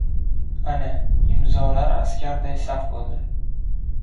— Ana, imzolar askarday saf bo‘ldi.